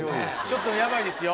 ちょっとヤバいですよ